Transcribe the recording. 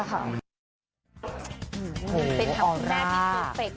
โอ้โฮเห็นตามคุณแม่พี่ซูอร์เฟค